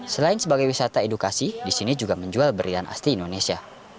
selain sebagai wisata edukasi di sini juga menjual berlian asli indonesia